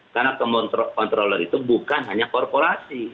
karena controller itu bukan hanya korporasi